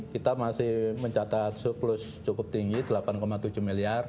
kita masih mencatat surplus cukup tinggi rp delapan tujuh miliar